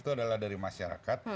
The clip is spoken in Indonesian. itu adalah dari masyarakat